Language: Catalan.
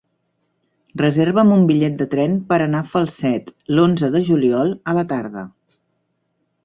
Reserva'm un bitllet de tren per anar a Falset l'onze de juliol a la tarda.